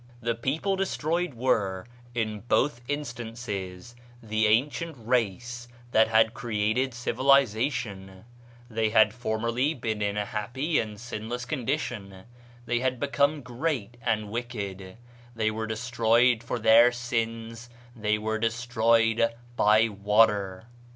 The people destroyed were, in both instances, the ancient race that had created civilization; they had formerly been in a happy and sinless condition; they had become great and wicked; they were destroyed for their sins they were destroyed by water.